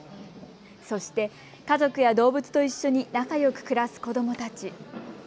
そして家族や動物と一緒に仲よく暮らす子どもたち。